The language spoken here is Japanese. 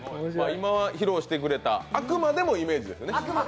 今、披露してくれた「あくまでもイメージ」ですね。